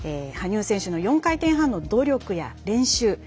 羽生選手の４回転半の努力や練習。